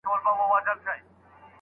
نقيبه لونگينه! څڼوره، مروره